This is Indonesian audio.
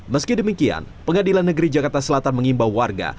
meski demikian pengadilan negeri jakarta selatan mengimbau warga